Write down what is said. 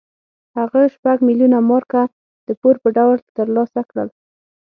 هغه شپږ میلیونه مارکه د پور په ډول ترلاسه کړل.